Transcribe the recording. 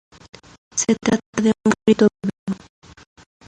Se trata de un Cristo vivo.